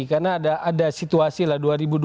karena ada situasi lah